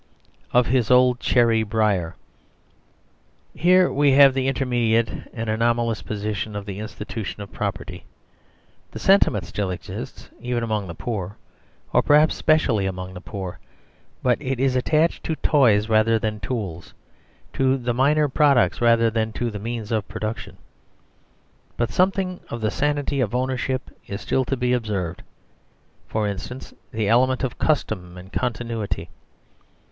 5. Of his old Cherry briar. Here we have the intermediate and anomalous position of the institution of Property. The sentiment still exists, even among the poor, or perhaps especially among the poor. But it is attached to toys rather than tools; to the minor products rather than to the means of production. But something of the sanity of ownership is still to be observed; for instance, the element of custom and continuity.